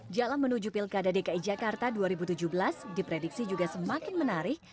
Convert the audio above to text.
jalan menuju pilkada dki jakarta dua ribu tujuh belas diprediksi juga semakin menarik